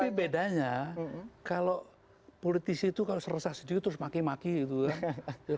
tapi bedanya kalau politisi itu kalau seresah sedikit terus maki maki gitu kan